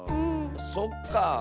そっかあ。